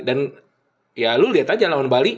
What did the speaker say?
dan ya lu lihat aja lawan bali